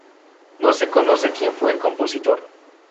No se conoce quien fue el compositor.